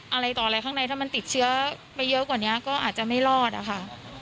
อะไรต่ออะไรข้างในถ้ามันติดเชื้อไปเยอะกว่านี้ก็อาจจะไม่รอดอะค่ะ